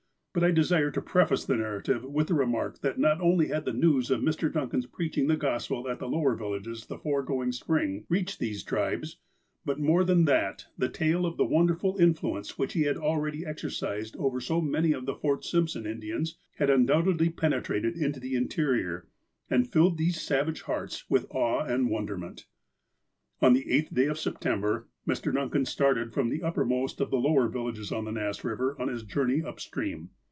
But I de sire to preface the narrative with the remark that not only had the news of Mr. Duncan's preaching the Gospel at the lower villages the foregoing Spring reached these tribes, but, more than that, the tale of the wonderful in fluence which he had already exercised over so many of the Fort Simpson Indians had undoubtedly penetrated into the Interior, and filled these savage hearts with awe and wonderment. On the eighth day of September, Mr. Duncan started from the uppermost of the lower villages on ]^ass Eiver on his journey up stream.